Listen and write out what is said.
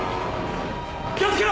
気をつけろ！